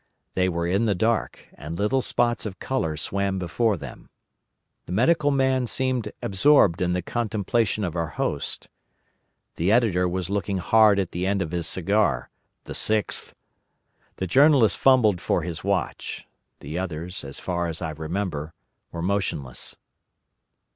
They were in the dark, and little spots of colour swam before them. The Medical Man seemed absorbed in the contemplation of our host. The Editor was looking hard at the end of his cigar—the sixth. The Journalist fumbled for his watch. The others, as far as I remember, were motionless.